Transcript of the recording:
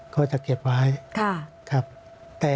เขาจะเก็บไว้แต่